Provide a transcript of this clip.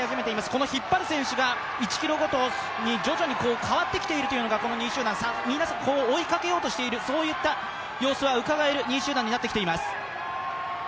この引っ張る選手が１ｋｍごとに徐々に変わってきているというのが、この２位集団、みんなで追いかけようとしているといった様子がうかがえる２位集団になってきています。